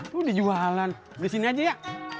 lo dijualan disini aja ya